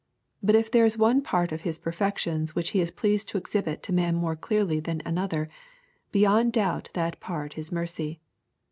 But if there is one part of His perfections which He is pleased to exhibit to man more clearly than another, beyond doubt that part is mercy.